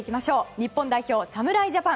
日本代表、侍ジャパン。